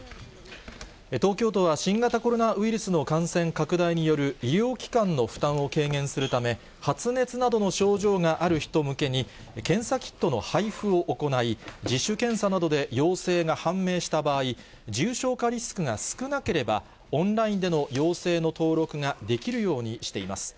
東京都は新型コロナウイルスの感染拡大による医療機関の負担を軽減するため、発熱などの症状がある人向けに、検査キットの配付を行い、自主検査などで陽性が判明した場合、重症化リスクが少なければ、オンラインでの陽性の登録ができるようにしています。